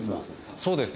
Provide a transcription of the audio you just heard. そうですね。